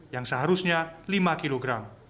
yang seharusnya lima kg